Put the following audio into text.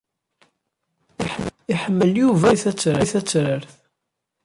Iḥemmel Yuba taẓuṛi tatrart.